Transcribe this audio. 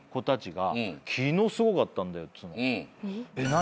「何？」